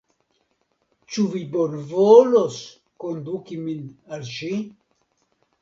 Ĉu vi bonvolos konduki min al ŝi?